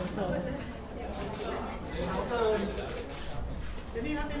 สวัสดีครับ